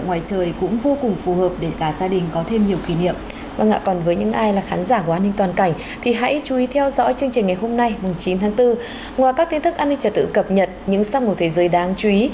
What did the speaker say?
ngoài các tin thức an ninh trả tự cập nhật những xác ngộ thế giới đáng chú ý